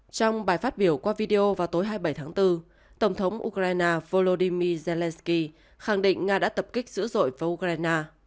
trong bài phát biểu qua video vào tối hai mươi bảy tháng bốn tổng thống ukraine volodymyr zelensky khẳng định nga đã tập kích dữ dội với ukraine